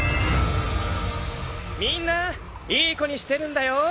みんないい子にしてるんだよ！